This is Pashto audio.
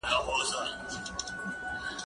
هغه څوک چي کښېناستل کوي پوهه زياتوي!.